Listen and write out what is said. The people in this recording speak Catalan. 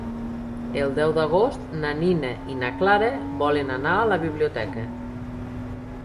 El deu d'agost na Nina i na Clara volen anar a la biblioteca.